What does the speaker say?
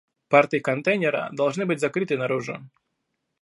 Порты контейнера должны быть закрыты наружу